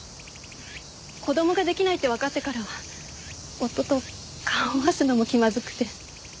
子供ができないってわかってからは夫と顔を合わすのも気まずくて。